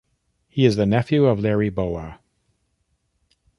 He is the nephew of Larry Bowa.